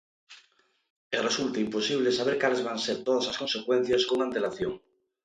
E resulta imposible saber cales van ser todas as consecuencias con antelación.